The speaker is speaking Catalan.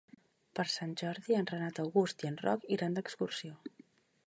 Per Sant Jordi en Renat August i en Roc iran d'excursió.